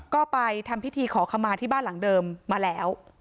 ก็ไปทำพิธีขอขมาที่บ้านหลังเดิมมาแล้ว